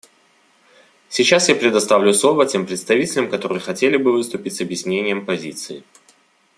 Сейчас я предоставлю слово тем представителям, которые хотели бы выступить с объяснением позиции.